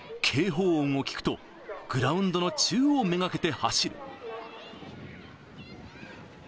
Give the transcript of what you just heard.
警報音を聞くと、グラウンドの中央目がけて走る。